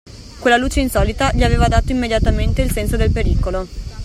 Quella luce insolita gli aveva dato immediatamente il senso del pericolo.